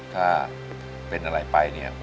ถ้าเป็นอะไรไปเนี่ย